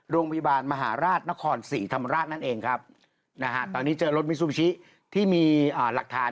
โรงพยาบาลมหาราชนครศรีธรรมราชนั่นเองครับนะฮะตอนนี้เจอรถมิซูบิชิที่มีหลักฐาน